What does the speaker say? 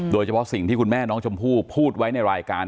โดยเฉพาะสิ่งที่คุณแม่น้องชมพู่พูดไว้ในรายการ